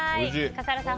笠原さん